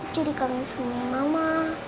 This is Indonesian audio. cucu dikanggung sama mama